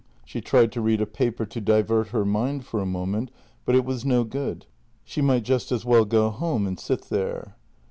She tried to read a paper to divert her mind for a moment, but it was no no good. She might just as well go home and sit there.